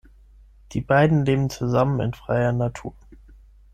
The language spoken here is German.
Die beiden leben zusammen in freier Natur.